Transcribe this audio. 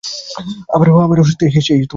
আবারো সেই অশরীরী শব্দ হল।